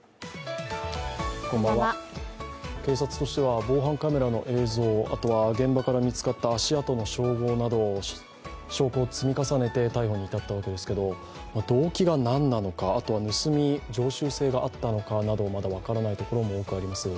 警察としては防犯カメラの映像、あとは現場から見つかった足跡の照合など証拠を積み重ねて逮捕に至ったわけですけど動機が何なのか、盗み、常習性があったのかなどまだ分からないところも多くあります。